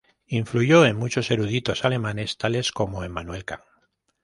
Influyó en muchos eruditos alemanes, tales como Immanuel Kant.